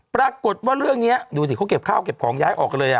ปรากฏว่าเรื่องนี้ดูสิเขาเก็บข้าวเก็บของย้ายออกกันเลย